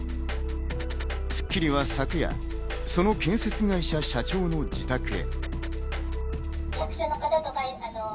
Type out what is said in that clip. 『スッキリ』は昨夜、その建設会社社長の自宅へ。